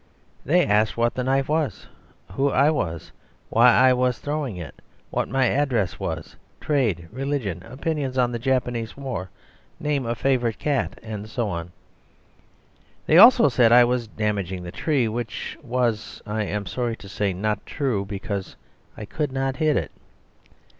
They asked what the knife was, who I was, why I was throwing it, what my address was, trade, religion, opinions on the Japanese war, name of favourite cat, and so on. They also said I was damaging the tree; which was, I am sorry to say, not true, because I could not hit it.